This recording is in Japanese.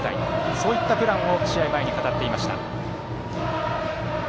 そういったプランを試合前に語っていました。